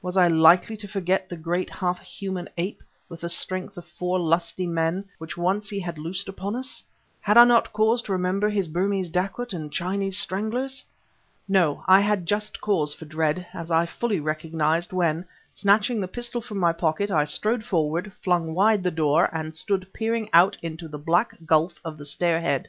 Was I likely to forget the great half human ape, with the strength of four lusty men, which once he had loosed upon us? had I not cause to remember his Burmese dacoits and Chinese stranglers? No, I had just cause for dread, as I fully recognized when, snatching the pistol from my pocket, I strode forward, flung wide the door, and stood peering out into the black gulf of the stairhead.